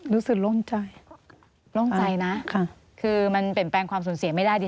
รู้สึกโล่งใจโล่งใจนะค่ะคือมันเป็นแปลงความสูญเสียไม่ได้ดี